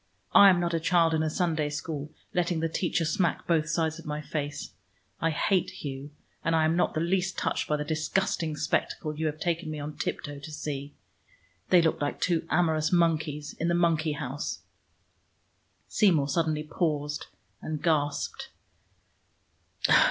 I am not a child in a Sunday school, letting the teacher smack both sides of my face. I hate Hugh, and I am not the least touched by the disgusting spectacle you have taken me on tiptoe to see. They looked like two amorous monkeys in the monkey house." Seymour suddenly paused and gasped.